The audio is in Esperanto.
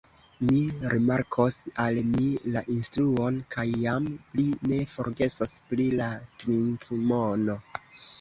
Mi rimarkos al mi la instruon kaj jam pli ne forgesos pri la trinkmono.